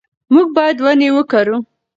موږ باید ونې وکرو.